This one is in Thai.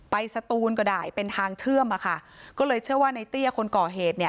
สตูนก็ได้เป็นทางเชื่อมอะค่ะก็เลยเชื่อว่าในเตี้ยคนก่อเหตุเนี่ย